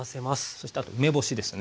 そしてあと梅干しですね